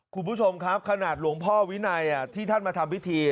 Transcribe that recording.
คุณผู้ชมครับขนาดหลวงพ่อวินัยที่ท่านมาทำพิธี